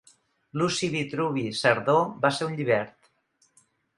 Luci Vitruvi Cerdó va ser un llibert.